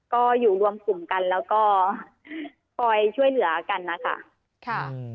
ก็อยู่รวมกลุ่มกันแล้วก็คอยช่วยเหลือกันนะคะค่ะ